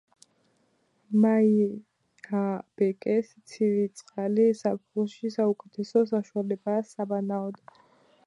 მაიაბეკეს ცივი წყალი ზაფხულში საუკეთესო საშუალებაა საბანაოდ.